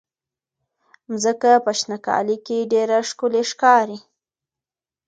مځکه په شنه کالي کې ډېره ښکلې ښکاري.